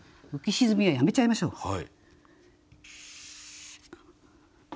「浮き沈み」はやめちゃいましょう。